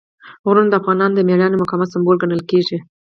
غرونه د افغانانو د مېړانې او مقاومت سمبول ګڼل کېږي.